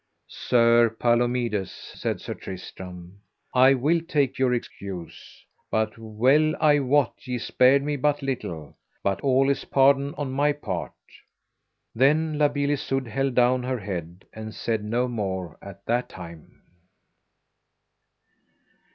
Sir Palomides, said Sir Tristram, I will take your excuse, but well I wot ye spared me but little, but all is pardoned on my part. Then La Beale Isoud held down her head and said no more at that time.